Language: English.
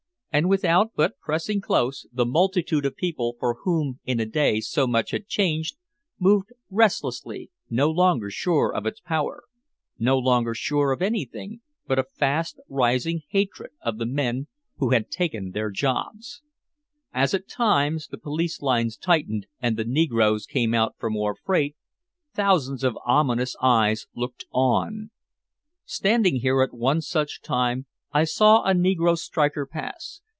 And without, but pressing close, the multitude of people for whom in a day so much had been changed, moved restlessly, no longer sure of its power, no longer sure of anything but a fast rising hatred of the men who had taken their jobs. As at times the police lines tightened and the negroes came out for more freight, thousands of ominous eyes looked on. Standing here at one such time, I saw a negro striker pass.